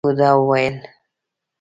بوډا وويل: